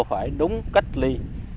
phải đúng cách ly